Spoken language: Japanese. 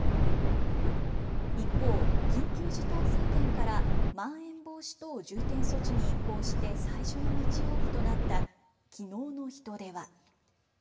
一方、緊急事態宣言からまん延防止等重点措置に移行して最初の日曜日となったきのうの人出は。